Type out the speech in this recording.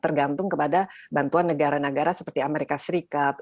tergantung kepada bantuan negara negara seperti amerika serikat